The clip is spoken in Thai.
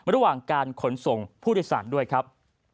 ระหว่างการขนส่งผู้โดยสารด้วยครับ